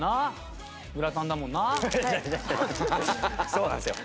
そうなんですよ。